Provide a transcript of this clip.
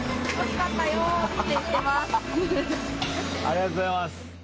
ありがとうございます。